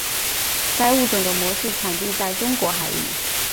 该物种的模式产地在中国海域。